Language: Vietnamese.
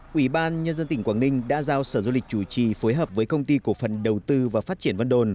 quỹ ban nhân dân tỉnh quảng ninh đã giao sở du lịch chủ trì phối hợp với công ty cổ phần đầu tư và phát triển vân đồn